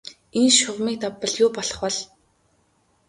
Энэ шугамыг давбал юу болох бол?